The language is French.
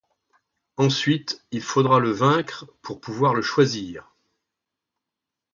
Ensuite, il faudra le vaincre pour pouvoir le choisir.